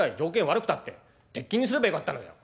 悪くたって鉄筋にすればよかったのよ」。